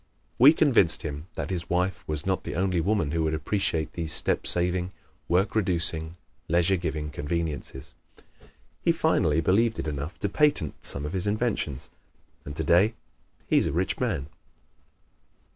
We convinced him that his wife was not the only woman who would appreciate these step saving, work reducing, leisure giving conveniences. He finally believed it enough to patent some of his inventions, and today he is a rich man.